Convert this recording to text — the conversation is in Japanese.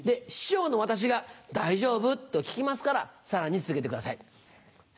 師匠の私が「大丈夫？」と聞きますからさらに続けてください。